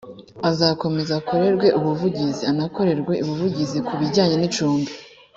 azakomeza akorerwe ubuvugizi anakorerwe ubuvugizi ku bijyanye n’icumbi